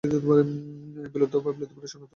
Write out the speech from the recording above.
বিলুপ্ত বা বিলুপ্তপ্রায় সনাতন বাহন দুলকি, বজরা নৌকা।